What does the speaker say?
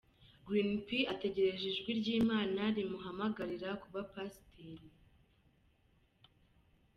Green P ategereje ijwi ry'Imana rimuhamagarira kuba Pasiteri.